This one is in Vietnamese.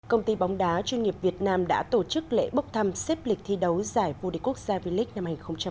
công ty bóng đá chuyên nghiệp việt nam đã tổ chức lễ bốc thăm xếp lịch thi đấu giải vô địch quốc gia v league năm hai nghìn hai mươi